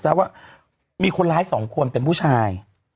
ซะว่ามีคนร้ายสองคนเป็นผู้ชาย